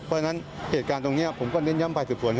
เพราะฉะนั้นเหตุการณ์ตรงนี้ผมก็เน้นย้ำภายสืบสวน